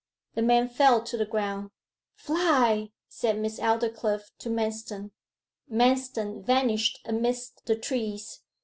The man fell to the ground. 'Fly!' said Miss Aldclyffe to Manston. Manston vanished amidst the trees.